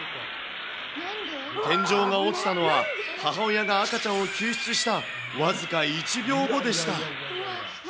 天井が落ちたのは、母親が赤ちゃんを救出した僅か１秒後でした。